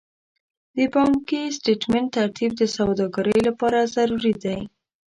د بانکي سټېټمنټ ترتیب د سوداګرۍ لپاره ضروري دی.